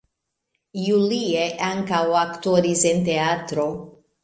Julie ankaŭ aktoris en teatro.